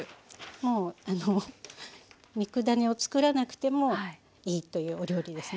もう肉ダネを作らなくてもいいというお料理ですね。